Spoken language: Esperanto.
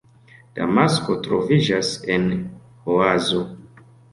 Damasko troviĝas en oazo.